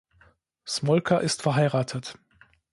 Smolka ist verheiratet.